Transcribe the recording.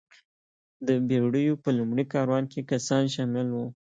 د بېړیو په لومړي کاروان کې کسان شامل وو.